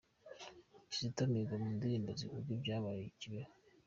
Kizito Mihigo mu ndirimbo zivuga ibyabaye i Kibeho